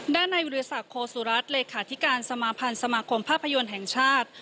ด้านในบริษัทโครซุรัสเลขาธิการสมาพันธ์สมาคมภาพยนตร์แห่งชาติ